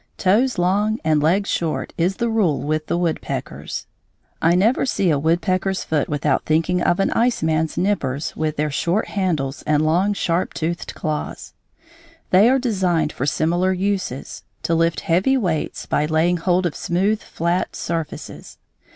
Toes long and legs short is the rule with the woodpeckers. [Illustration: Foot of Woodpecker.] I never see a woodpecker's foot without thinking of an iceman's nippers with their short handles and long, sharp toothed jaws. They are designed for similar uses, to lift heavy weights by laying hold of smooth, flat surfaces.